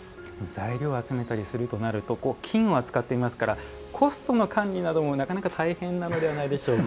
材料を集めたりとすると金を扱っていますからコストの管理なんかもなかなか大変なのではないでしょうか。